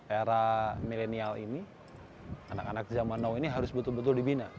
era milenial ini anak anak zaman now ini harus betul betul dibina